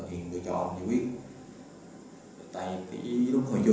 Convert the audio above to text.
thứ tư thôi xíu trụ đi